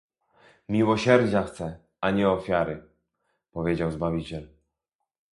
"Miłosierdzia chcę, a nie ofiary", powiedział Zbawiciel